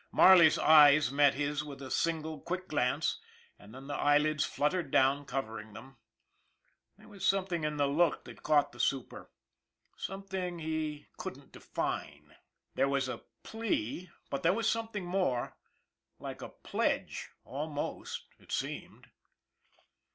Marley's eyes met his with a single quick glance, and then the eyelids fluttered down cov ering them. There was something in the look that caught the super, something he couldn't define. There 224 ON THE IRON AT BIG CLOUD was a plea, but there was something more like a pledge, almost, it seemed.